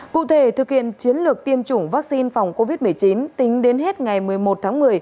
cụ thể thực hiện chiến lược tiêm chủng vaccine phòng covid một mươi chín tính đến hết ngày một mươi một tháng một mươi